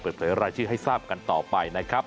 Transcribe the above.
รายชื่อให้ทราบกันต่อไปนะครับ